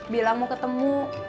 bilang mau ketemu